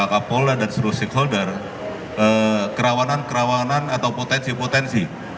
kapolda dan seluruh stakeholder kerawanan kerawanan atau potensi potensi